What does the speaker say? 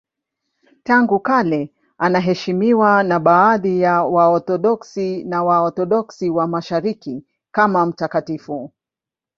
Tangu kale anaheshimiwa na baadhi ya Waorthodoksi na Waorthodoksi wa Mashariki kama mtakatifu.